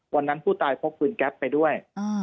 วันนั้นผู้ตายพกปืนแก๊ปไปด้วย